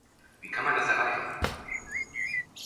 Wie kann man das erreichen?